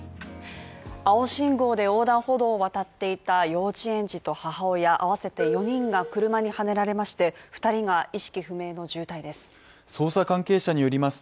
青信号で横断歩道を渡っていた幼稚園児と母親合わせて４人が車にはねられまして、２人が意識不明の重体です。